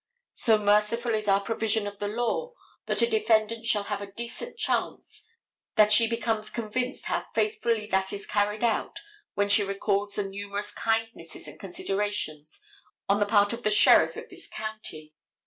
So merciful is our provision of the law that a defendant shall have a decent chance that she becomes convinced how faithfully that is carried out when she recalls the numerous kindnesses and considerations on the part of the sheriff of this county.